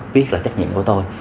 viết là trách nhiệm của tôi